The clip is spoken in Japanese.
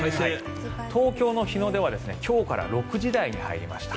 東京の日の出は今日から６時台に入りました。